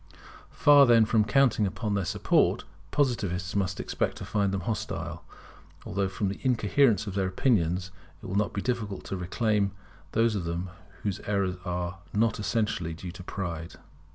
Far, then, from counting upon their support, Positivists must expect to find them hostile: although from the incoherence of their opinions it will not be difficult to reclaim those of them whose errors are not essentially due to pride.